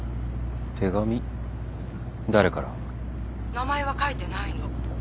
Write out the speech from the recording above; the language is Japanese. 名前は書いてないの。